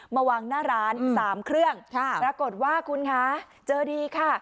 มาวางหน้าร้าน๓เครื่องปรากฏว่าคุณคะเจอดีค่ะ